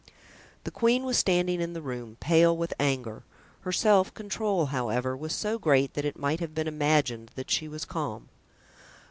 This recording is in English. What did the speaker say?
The queen was standing in the room, pale with anger; her self control, however, was so great that it might have been imagined that she was calm.